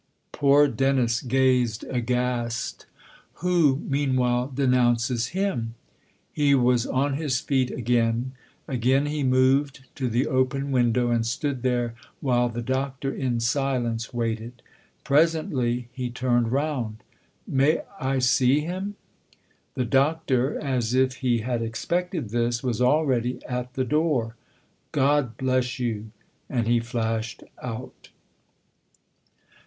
Poor Dennis gazed aghast. " Who meanwhile denounces him ?" He was on his feet again ; again he moved to the open window and stood there while the Doctor in silence waited. Presently he turned round. " May I see him ?". The Doctor, as if he had expected this, was already at the door. " God bless you !" And he flashed out.